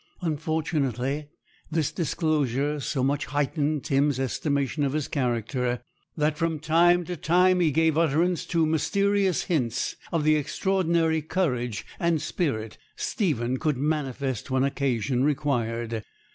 Unfortunately, this disclosure so much heightened Tim's estimation of his character, that from time to time he gave utterance to mysterious hints of the extraordinary courage and spirit Stephen could manifest when occasion required.